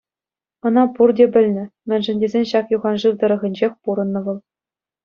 Ӑна пурте пӗлнӗ, мӗншӗн тесен ҫак юхан шыв тӑрӑхӗнчех пурӑннӑ вӑл.